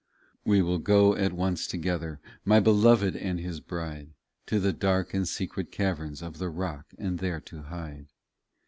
37 We will go at once together, My Beloved and His bride, To the dark and secret caverns Of the rock, and there to hide.